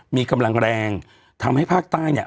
มีกำลังแรงทำให้ภาคใต้